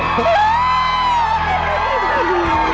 พี่สิทธิ์